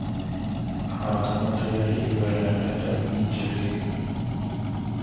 Adam ata Ýere iberilende-de gijelik eken.